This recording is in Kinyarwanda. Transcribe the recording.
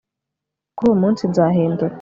Kuri uwo munsi nzahindura